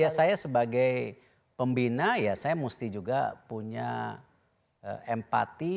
ya saya sebagai pembina ya saya mesti juga punya empati